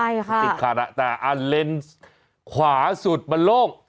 ใช่ไหมติดขาดน่ะแต่อันเลนส์ขวาสุดมาโลก